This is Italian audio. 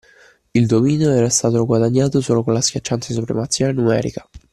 Il dominio era stato guadagnato solo con la schiacciante supremazia numerica.